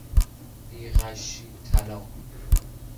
بی غشی طلا